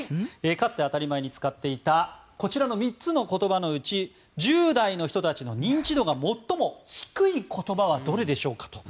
かつて当たり前に使っていたこちらの３つの言葉のうち１０代の人たちの認知度が最も低い言葉はどれでしょうかと。